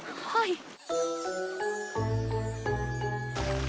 はい！